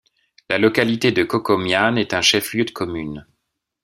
La localité de Kokomian est un chef-lieu de commune.